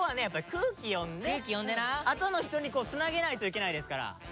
やっぱり空気読んであとの人につなげないといけないですから。